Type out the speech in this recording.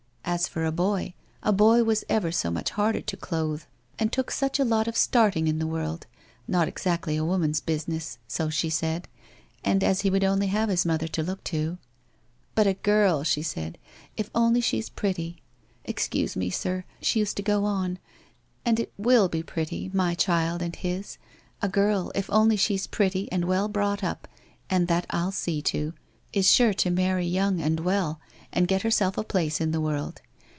As for a boy, a boy was ever so much harder to clothe and took such a lot of starting in the world — not exactly a woman's business, so she said, and as he would only have his mother to look to. ...!" But a girl," she said, " if only she's pretty " Excuse me, sir, she used to go on —" and it v:ill be pretty, my child and his! — a girl if only she's pretty and well brought up, and that I'll see to, is sure to marry young and well, and get herself a place in the world.